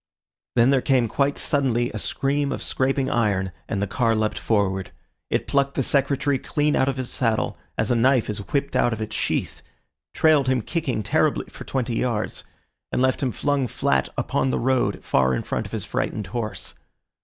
Then there came quite suddenly a scream of scraping iron, and the car leapt forward. It plucked the Secretary clean out of his saddle, as a knife is whipped out of its sheath, trailed him kicking terribly for twenty yards, and left him flung flat upon the road far in front of his frightened horse.